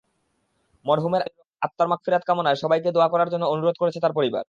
মরহুমের আত্মার মাগফিরাত কামনায় সবাইকে দোয়া করার জন্য অনুরোধ করেছে তাঁর পরিবার।